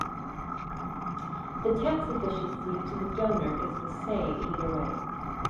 The tax efficiency to the donor is the same either way.